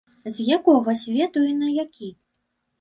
З якога свету і на які?